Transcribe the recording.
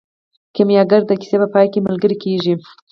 کیمیاګر د کیسې په پای کې ملګری کیږي.